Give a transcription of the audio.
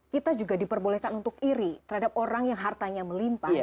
kita juga diperbolehkan untuk iri terhadap orang yang hartanya melimpa